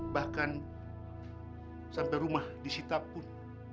bahkan sampai rumah disitapun